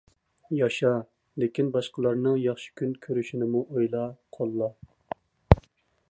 ياشا، لېكىن باشقىلارنىڭ ياخشى كۈن كۆرۈشىنىمۇ ئويلا، قوللا.